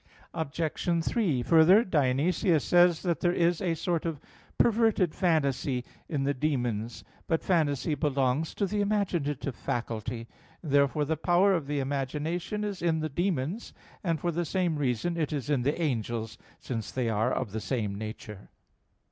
Obj. 3: Further, Dionysius says (Div. Nom. iv) that there is a sort of "perverted phantasy" in the demons. But phantasy belongs to the imaginative faculty. Therefore the power of the imagination is in the demons; and for the same reason it is in the angels, since they are of the same nature.